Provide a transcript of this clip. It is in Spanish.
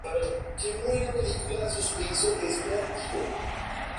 Las competiciones se llevaron a cabo en el Pabellón al-Rayyan.